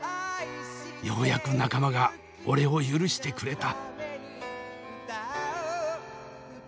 ようやく仲間が俺を許してくれた。